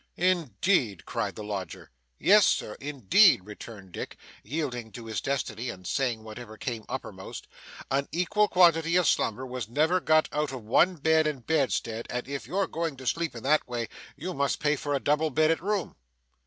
'Indeed!' cried the lodger. 'Yes, Sir, indeed,' returned Dick, yielding to his destiny and saying whatever came uppermost; 'an equal quantity of slumber was never got out of one bed and bedstead, and if you're going to sleep in that way, you must pay for a double bedded room.